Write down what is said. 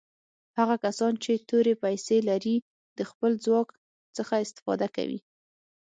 هغه کسان چې تورې پیسي لري د خپل ځواک څخه استفاده کوي.